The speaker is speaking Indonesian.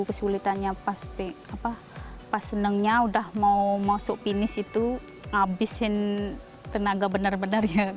kesulitannya pas senangnya udah mau masuk penis itu abisin tenaga benar benarnya